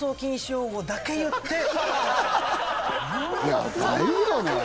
ヤバいよね。